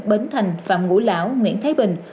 bến thành phạm ngũ lão nguyễn thái bình